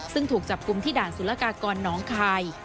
ซึ่งถูกจับกลุ่มที่ด่านศูนย์ละกากรน้องไค